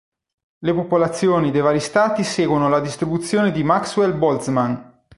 Le popolazioni dei vari stati seguono la distribuzione di Maxwell-Boltzmann.